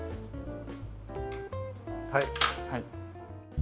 はい。